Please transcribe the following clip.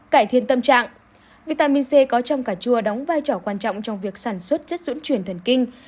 cải thiện tâm trạng vitamin c có trong cà chua đóng vai trò quan trọng trong việc sản xuất chất dưỡng chuyển thần kinh